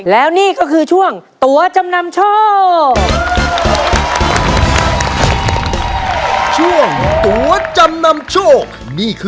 แล้วนี่ก็คือช่วงตัวจำนำโชค